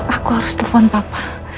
aku harus telepon bapak